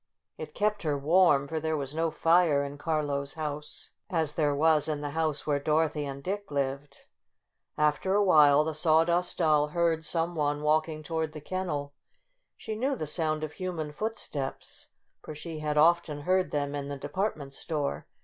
It kept her warm, for there was no fire in Carlo's house, as there was in the house where Dorothy and Dick lived. After a while the Sawdust Doll heard IN THE DOG HOUSE 71 some one walking toward the kennel. She knew the sound of human footsteps, foij she had often heard them in the depart ment store.